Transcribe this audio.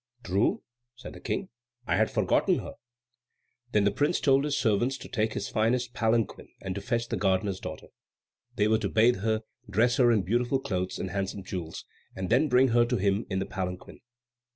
"True," said the King, "I had forgotten her." Then the prince told his servants to take his finest palanquin and to fetch the gardener's daughter. They were to bathe her, dress her in beautiful clothes and handsome jewels, and then bring her to him in the palanquin.